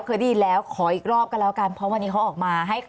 เคยได้ยินแล้วขออีกรอบก็แล้วกันเพราะวันนี้เขาออกมาให้